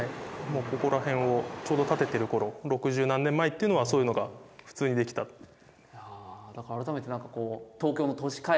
もうここら辺をちょうど建ててる頃六十何年前っていうのはそういうのが普通に出来たという。